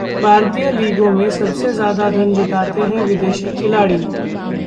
भारतीय लीगों में सबसे ज्यादा धन जुटाते हैं विदेशी खिलाड़ी